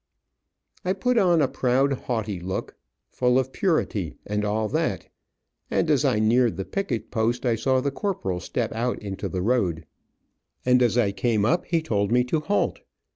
I put on a proud, haughty look, full of purity and all that, and as I neared the picket post, I saw the corporal step out into the road, and as I came up he told me to halt.